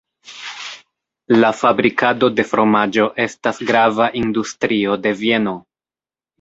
La fabrikado de fromaĝo estas grava industrio de Vieno.